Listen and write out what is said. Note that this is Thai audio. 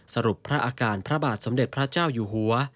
พระอาการพระบาทสมเด็จพระเจ้าอยู่หัว